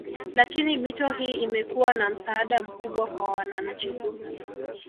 Lakini mito hii imekuwa na msaada mkubwa kwa wananchi